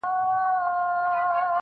چي د هیڅ هدف لپاره مي لیکلی نه دی.